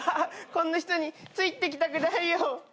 こんな人についていきたくないよ。